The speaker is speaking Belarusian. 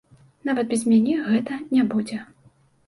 Нават без мяне гэта не будзе.